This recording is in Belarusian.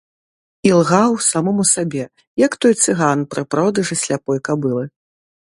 Ілгаў самому сабе, як той цыган пры продажы сляпой кабылы.